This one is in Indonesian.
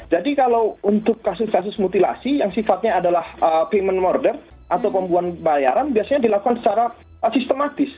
jadi kalau untuk kasus kasus mutilasi yang sifatnya adalah payment murder atau pembuatan bayaran biasanya dilakukan secara sistematis